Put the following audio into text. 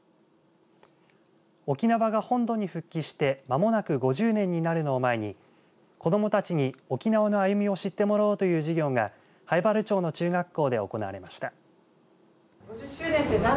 沖縄が本土に復帰してまもなく５０年になるのを前に子どもたちに沖縄の歩みを知ってもらおうという授業が南風原町の中学校で行われました。